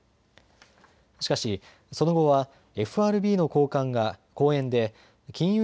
しかし、その後はＦＲＢの高官が講演で金融